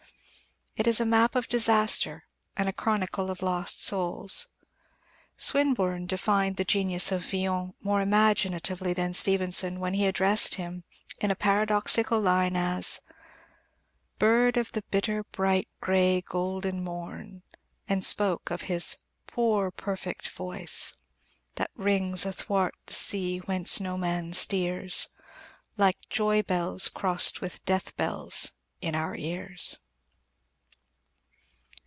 It is a map of disaster and a chronicle of lost souls. Swinburne defined the genius of Villon more imaginatively than Stevenson when he addressed him in a paradoxical line as: Bird of the bitter bright grey golden morn, and spoke of his "poor, perfect voice," That rings athwart the sea whence no man steers, Like joy bells crossed with death bells in our ears.